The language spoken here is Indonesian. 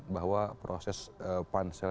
bahwa proses pansel